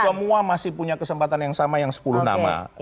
semua masih punya kesempatan yang sama yang sepuluh nama